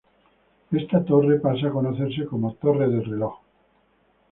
Esta torre pasa a conocerse como "Torre del reloj".